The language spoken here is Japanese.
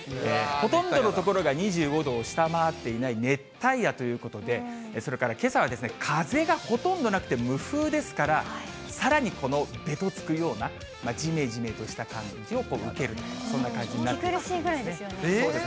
ほとんどの所が２５度を下回っていない熱帯夜ということで、それからけさは風がほとんどなくて、無風ですから、さらにこのべとつくような、じめじめとした感じを受けると、そんな感じになってますね。